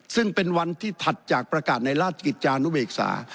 ซึ่งเป็นวันที่ถัดจากประกาศในราชกิจจานุเบกษา